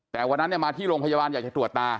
แต่วันนั้นมาที่โรงพยาบาลอยากจะตรวจตา